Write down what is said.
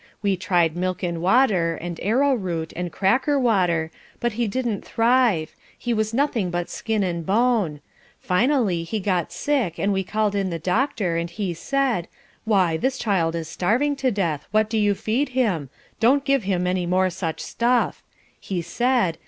We tried milk and water, and arrowroot, and cracker water, but he didn't thrive, he was nothing but skin and bone; finally he got sick and we called the doctor, and he said, 'Why this child is starving to death! What do you feed him? Don't give him any more such stuff,' he said.